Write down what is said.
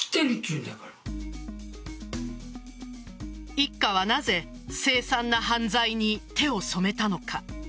一家はなぜ凄惨な犯罪に手を染めたのか。